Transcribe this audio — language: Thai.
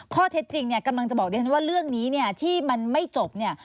ข้อเท็จจริงเนี่ยกำลังจะบอกดิฉันว่าเรื่องนี้เนี่ยที่มันไม่จบเนี่ย